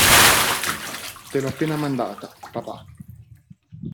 Te l'ho appena mandata, Papà!